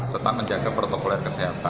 tetap menjaga protokol kesehatan